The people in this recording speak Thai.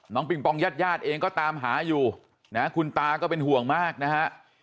น้องปิงปองยาดเองก็ตามหาอยู่นะคุณตาก็เป็นห่วงมากนะฮะ